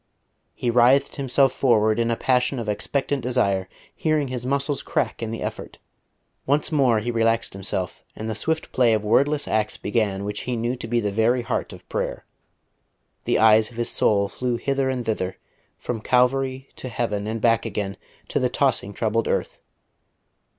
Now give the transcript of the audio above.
He writhed himself forward in a passion of expectant desire, hearing his muscles crack in the effort. Once more he relaxed himself; and the swift play of wordless acts began which he knew to be the very heart of prayer. The eyes of his soul flew hither and thither, from Calvary to heaven and back again to the tossing troubled earth.